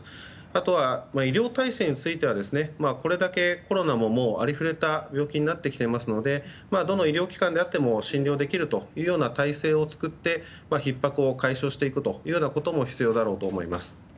あとは、医療体制についてはこれだけコロナもありふれた病気になってきていますのでどの医療機関であっても診療できるというような体制を作って、ひっ迫を解消していくということも必要だろうと思います。